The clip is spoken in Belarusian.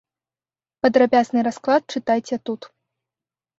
Падрабязны расклад чытайце тут.